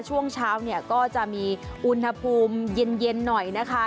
ช่วงเช้าเนี่ยก็จะมีอุณหภูมิเย็นหน่อยนะคะ